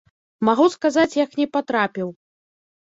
Магу сказаць, як не патрапіў.